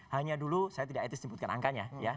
hanya dulu saya tidak etis menyebutkan angkanya ya